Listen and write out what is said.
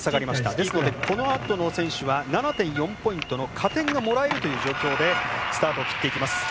ですので、このあとの選手は７．４ポイントの加点がもらえるという状況でスタートを切っていきます。